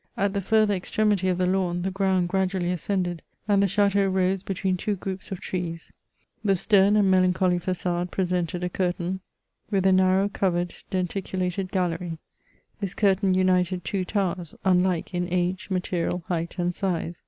At the further extremity of the lawn, the ground gradually ascended, and the chateau rose between two groups of trees. The stem and melancholy fa9ade presented a curtain with a narrow covered CHATEAUBRIAND. 63 denticulated gallery. This cnrtaiQ united two towers, unlike in age, material, height and size.